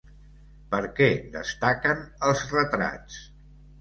Per què destaquen els retrats?